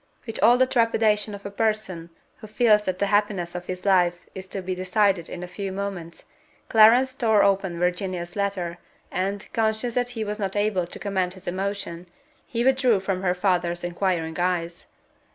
With all the trepidation of a person who feels that the happiness of his life is to be decided in a few moments, Clarence tore open Virginia's letter, and, conscious that he was not able to command his emotion, he withdrew from her father's inquiring eyes.